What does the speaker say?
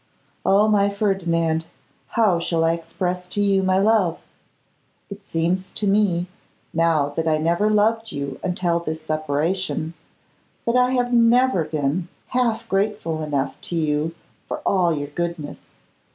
Oh! my Ferdinand, how shall I express to you my love? It seems to me now that I never loved you until this separation, that I have never been half grateful enough to you for all your goodness.